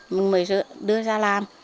mình mới đưa ra làm